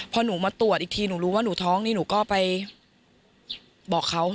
พอหนูมาตรวจอีกทีหนูรู้ว่าหนูท้องนี่หนูก็ไปบอกเขา